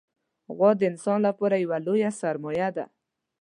غوا د انسان لپاره یوه لویه سرمایه ده.